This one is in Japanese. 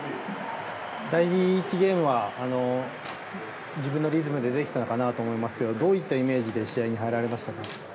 第１ゲームは自分のリズムでできたのかなと思いますけどどういったイメージで試合に入られましたか？